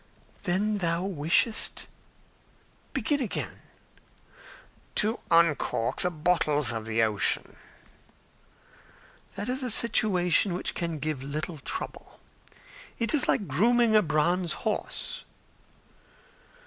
"Then thou wishest? Begin again." "To uncork the bottles of the ocean." "That is a situation which can give little trouble. It is like grooming a bronze horse."